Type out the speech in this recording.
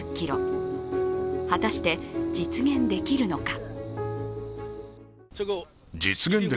果たして実現できるのか。